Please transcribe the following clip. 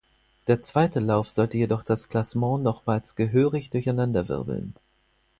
Der zweite Lauf sollte jedoch das Klassement nochmals gehörig durcheinander wirbeln.